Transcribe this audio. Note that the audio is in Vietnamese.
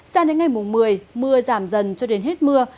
sao đến ngày mùa một mươi mưa giảm dần cho đến hết mưa